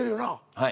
はい。